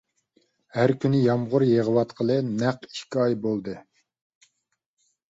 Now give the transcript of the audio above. ھەر كۈنى يامغۇر يېغىۋاتقىلى نەق ئىككى ئاي بولدى.